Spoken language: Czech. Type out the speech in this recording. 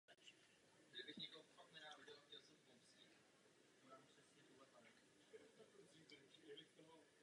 Singl navazoval na úspěchy jeho předchůdce Fancy.